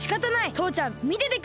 とうちゃんみててくれ！